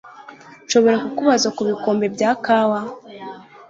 Nshobora kukubabaza kubikombe bya kawa?